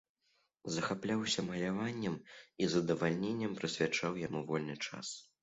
Захапляўся маляваннем і з задавальненнем прысвячаў яму вольны час.